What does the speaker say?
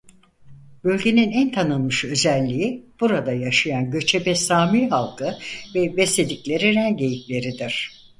Bölgenin en tanınmış özelliği burada yaşayan göçebe Sami halkı ve besledikleri ren geyikleridir.